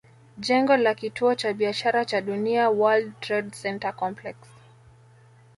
Jengo la Kituo cha Biashara cha Dunia World Trade Center complex